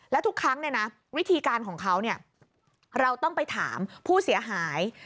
แล้วทุกครั้งเนี่ยนะวิธีการของเขาเนี่ยเราต้องไปถามผู้เสียหาย